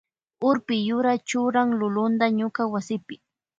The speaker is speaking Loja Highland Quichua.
Urpi yura churan lulunta ñuka wasipi.